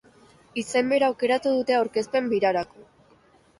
Izen bera aukeratu dute aurkezpen birarako.